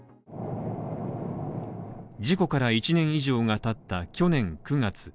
事故から１年以上が経った去年９月。